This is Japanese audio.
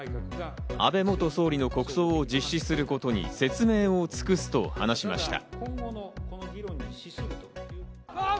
安倍元総理の国葬を実施することに説明を尽くすと話しました。